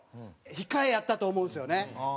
控えやったと思うんですよね。